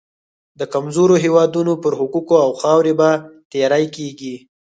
د کمزورو هېوادونو پر حقوقو او خاورې به تیری کېږي.